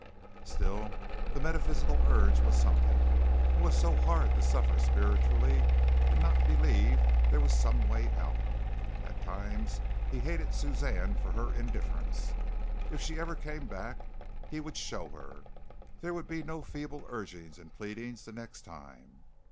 Still the metaphysical urge was something it was so hard to suffer spiritually and not believe there was some way out. At times he hated Suzanne for her indifference. If ever she came back he would show her. There would be no feeble urgings and pleadings the next time.